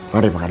mari pak kd